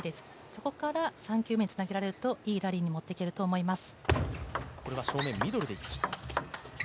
そこから３球目につなげられると、いいラリーに持っていけると思います。